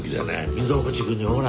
溝口くんにほら。